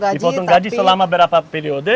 dipotong gaji selama berapa periode